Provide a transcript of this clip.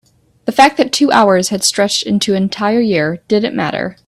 the fact that the two hours had stretched into an entire year didn't matter.